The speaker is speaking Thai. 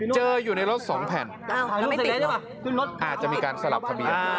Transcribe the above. เจออยู่ในรถสองแผ่นอ้าวอ่าจะมีการสลับทะเบียนอ่า